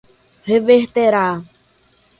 reverterá